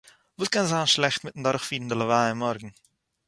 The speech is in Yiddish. וואָס קען זיין שלעכט מיט'ן דורכפירן די לוי' מאָרגן